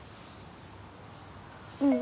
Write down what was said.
うん。